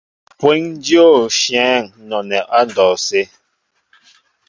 Mpweŋ dyô nshyɛέŋ nɔnɛɛ andɔwsé.